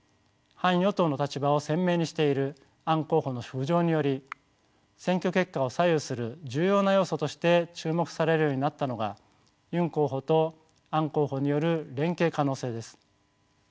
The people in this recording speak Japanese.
反与党の立場を鮮明にしているアン候補の浮上により選挙結果を左右する重要な要素として注目されるようになったのがユン候補とアン候補による連携可能性です。